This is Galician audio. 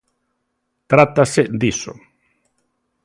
Trátase diso.